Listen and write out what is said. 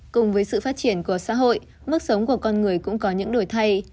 cùng với sự phát triển của xã hội mức sống của con người cũng có những đổi thay